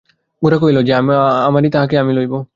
গোরা কহিল, যে আমারই তাহাকে আমি লইব।